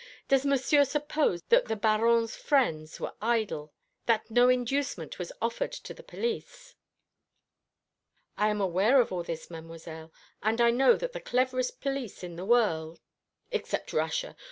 Does Monsieur suppose that the Baron's friends were idle that no inducement was offered to the police?" "I am aware of all this, Mademoiselle, and I know that the cleverest police in the world " "Except Russia.